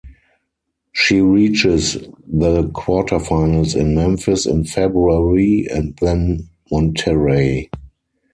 She reaches the quarter-finals in Memphis in February and then Monterrey.